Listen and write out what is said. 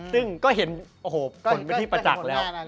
ซึ่งก็เห็นโอ้โหผลเป็นที่ประจักษ์แล้ว